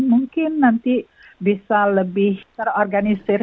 mungkin nanti bisa lebih terorganisir